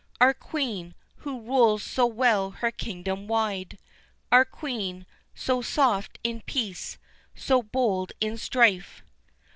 Our Queen, who rules so well her kingdom wide, Our Queen, so soft in peace, so bold in strife.